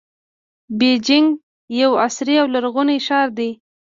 بیجینګ یو عصري او لرغونی ښار دی.